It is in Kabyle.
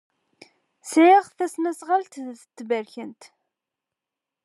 Sɛiɣ tasnasɣalt d taberkant.